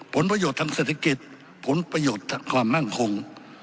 ผลประโยชน์ทางเศรษฐกิจผลประโยชน์ความมั่งคง